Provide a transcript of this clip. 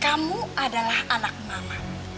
kamu adalah anak mama